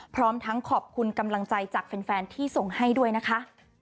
พร้อมทั้งขอบคุณกำลังใจจากแฟนที่ส่งให้ด้วยนะคะ